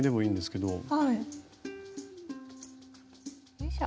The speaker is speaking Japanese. よいしょ。